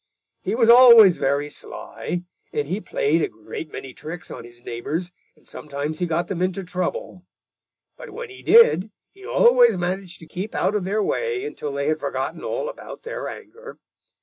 He was always very sly, and he played a great many tricks on his neighbors, and sometimes he got them into trouble. But when he did, he always managed to keep out of their way until they had forgotten all about their anger.